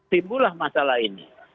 timbulah masalah ini